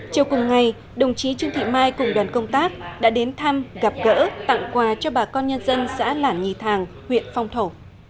chiều cùng ngày đồng chí trương thị mai cùng đoàn công tác đã đến thăm gặp gỡ tặng quà cho bà con nhân dân xã lản nhì thàng huyện phong thổ